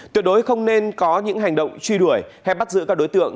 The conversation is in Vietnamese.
tuyệt đối không nên có những hành động truy đuổi hay bắt giữ các đối tượng